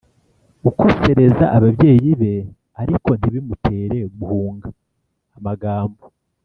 ukosereza ababyeyi be, ariko ntibimutere guhunga amagambo